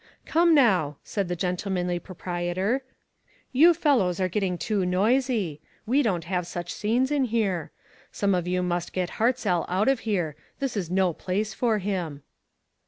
"Come, now," said the gentlemanly pro "ONLY A QUESTION OF TIME." 461 prietor, "you fellows are getting too noisy. We don't have such scenes iu here* Some of you must get Hartzell out of here ; this is no place for him."